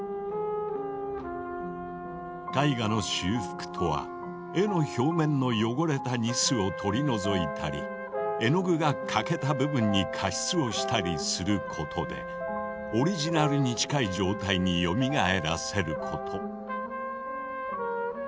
絵画の修復とは絵の表面の汚れたニスを取り除いたり絵の具が欠けた部分に加筆をしたりすることでオリジナルに近い状態によみがえらせること。